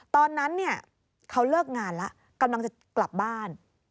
ตอนนั้นเนี่ยเขาเลิกงานแล้วกำลังจะกลับบ้าน